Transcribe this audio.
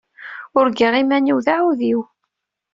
Urgaɣ iman-iw d aɛewdiw.